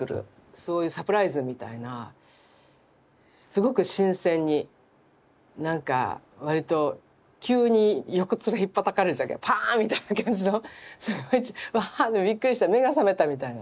そういうサプライズみたいなすごく新鮮になんかわりと急に横っ面ひっぱたかれたパーンみたいな感じのすごいわってびっくりした目が覚めたみたいな。